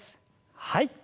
はい。